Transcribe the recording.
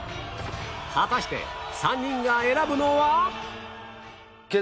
果たして３人が選ぶのは？